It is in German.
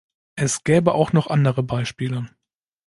Es gäbe auch noch andere Beispiele.